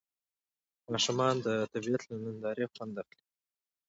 ماشومان د طبیعت له نندارې خوند اخلي